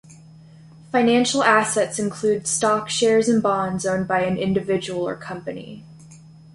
Financial assets include stock shares and bonds owned by an individual or company.